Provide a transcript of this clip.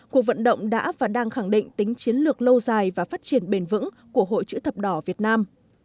cuộc vận động đã và đang khẳng định tính chiến lược lâu dài và phát triển bền vững của hội chữ thập đỏ việt nam